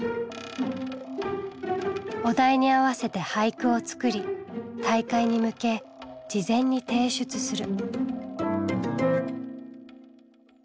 お題に合わせて俳句を作り大会に向け事前に提出する。